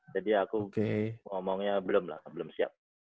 jadi aku ngomongnya belum lah belum siap